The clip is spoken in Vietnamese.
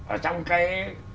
ở trong cái